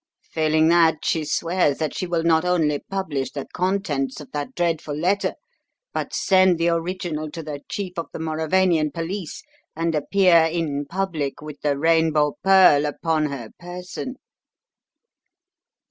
Failing that, she swears that she will not only publish the contents of that dreadful letter, but send the original to the chief of the Mauravanian police and appear in public with the Rainbow Pearl upon her person."